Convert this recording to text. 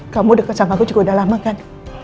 kamu udah kesama aku juga udah lama kan